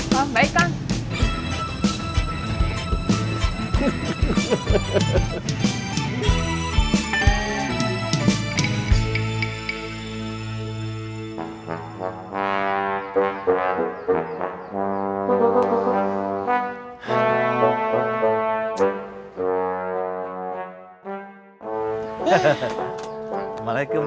hah baik kang